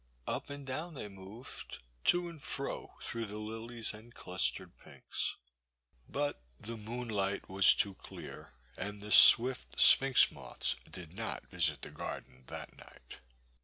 Up and down they moved, to and fro through the lilies and clustered pinks, but the moonlight was too dear and the swift sphinx moths did not visit the garden that night.